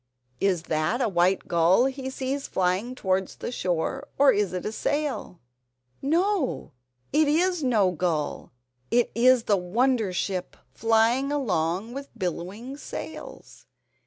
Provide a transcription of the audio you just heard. Is that a white gull he sees flying towards the shore, or is it a sail? No, it is no gull, it is the wonder ship flying along with billowing sails.